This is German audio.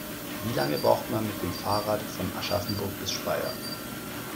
Wie lange braucht man mit dem Fahrrad von Aschaffenburg bis Speyer?